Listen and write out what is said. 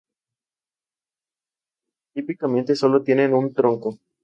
Típicamente sólo tienen un tronco.